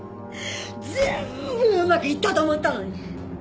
全部うまくいったと思ったのに。